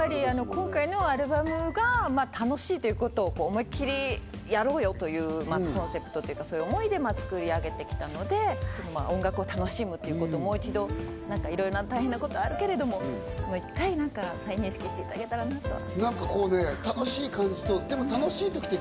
今回のアルバムが楽しいということを思いっきりやろうよということがコンセプトという思いで作り上げてきたので、音楽を楽しむということをもう一度いろんな大変なことがあるけれども、もう１回、再認識していただけたらなと。